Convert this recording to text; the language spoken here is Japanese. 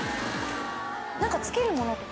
なんかつけるものとか。